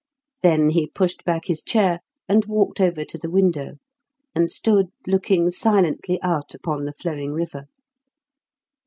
Then he pushed back his chair and walked over to the window, and stood looking silently out upon the flowing river.